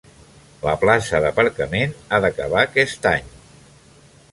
La plaça d'aparcament ha d'acabar aquest any.